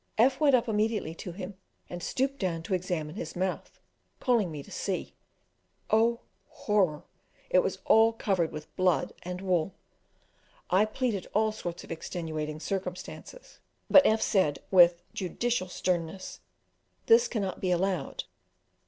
F went up immediately to him, and stooped down to examine his mouth, calling me to see. Oh, horror! it was all covered with blood and wool. I pleaded all sorts of extenuating circumstances, but F said, with: judicial sternness, "This cannot be allowed."